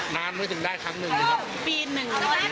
นานไม่ถึงได้ครั้งหนึ่งหรือครับปีหนึ่งปีละครั้ง